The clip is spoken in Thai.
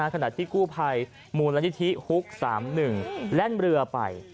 ขณะที่กู้ภัยมูลนิธิฮุก๓๑แล่นเรือไป